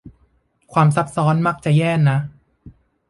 ความซับซ้อนมักจะแย่นะ